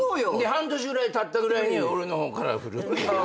半年ぐらいたったぐらいに俺の方からフるっていう。